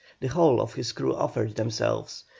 The whole of his crews offered themselves.